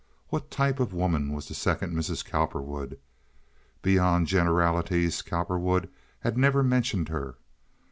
What type of woman was the second Mrs. Cowperwood? Beyond generalities Cowperwood had never mentioned her.